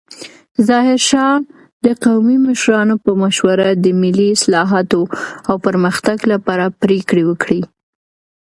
ظاهرشاه د قومي مشرانو په مشوره د ملي اصلاحاتو او پرمختګ لپاره پریکړې وکړې.